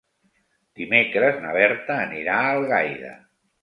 Dimecres na Berta anirà a Algaida.